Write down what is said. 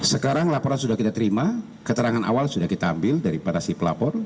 sekarang laporan sudah kita terima keterangan awal sudah kita ambil daripada si pelapor